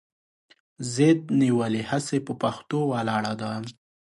ضد نیولې هسې پهٔ پښتو ولاړه ده